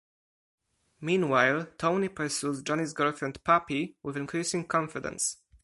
Meanwhile, Tony pursues Johnny's girlfriend Poppy with increasing confidence.